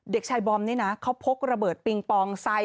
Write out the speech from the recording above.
เด็กชายบอมนี่นะเขาพกระเบิดปิงปองใส่